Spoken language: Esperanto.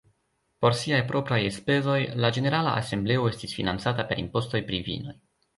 Por siaj propraj elspezoj, la ĝenerala Asembleo estis financata per impostoj pri vinoj.